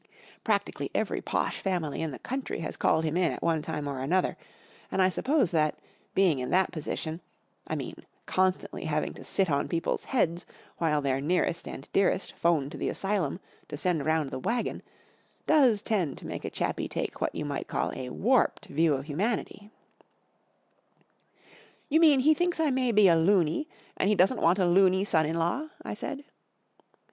Practically every posh family in the country has called him in at one time or another, and I suppose that, being in that position—I mean constantly having to sit on people's heads while their nearest and dearest 'phone to the asylum to send round the wagon—does tend to make a chappie take what you might call a warped view' of humanity, Jl Yon mean he thinks I may be a looney, and he doesn't want a looney son in law ?" I said.